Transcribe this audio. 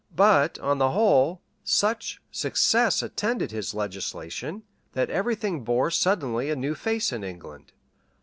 But, on the whole, such success attended his legislation, that everything bore suddenly a new face in England.